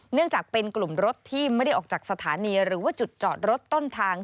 เนื่องจากเป็นกลุ่มรถที่ไม่ได้ออกจากสถานีหรือว่าจุดจอดรถต้นทาง